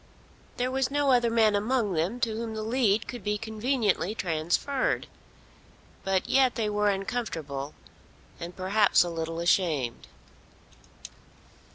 There was no other man among them to whom the lead could be conveniently transferred. But yet they were uncomfortable, and perhaps a little ashamed.